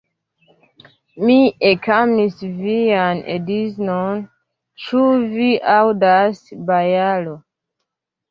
Mi ekamis vian edzinon, ĉu vi aŭdas, bojaro?